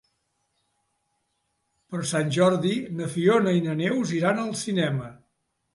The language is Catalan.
Per Sant Jordi na Fiona i na Neus iran al cinema.